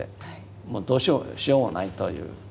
もうどうしようもないという。